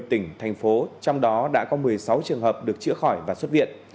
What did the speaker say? một mươi tỉnh thành phố trong đó đã có một mươi sáu trường hợp được chữa khỏi và xuất viện